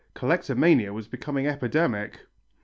Collectomania was becoming epidemic!